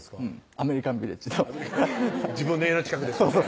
アメリカンビレッジの自分の家の近くですよね